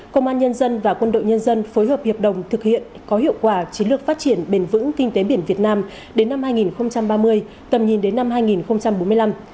công an nhân dân và quân đội nhân dân phối hợp hiệp đồng thực hiện có hiệu quả chiến lược phát triển bền vững kinh tế biển việt nam đến năm hai nghìn ba mươi tầm nhìn đến năm hai nghìn bốn mươi năm